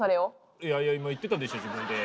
いやいや今言ってたでしょ自分で。